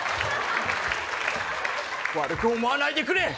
悪く思わないでくれ！